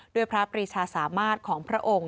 ด้วยพระปรีชาสามารถของพระองค์